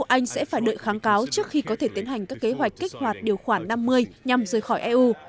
anh sẽ phải đợi kháng cáo trước khi có thể tiến hành các kế hoạch kích hoạt điều khoản năm mươi nhằm rời khỏi eu